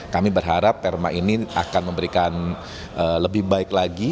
kami berharap perma ini akan memberikan lebih baik lagi